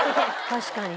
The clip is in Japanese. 「確かに」